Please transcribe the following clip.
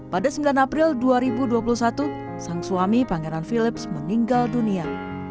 pada sembilan april dua ribu dua puluh satu sang suami pangeran philips meninggal dunia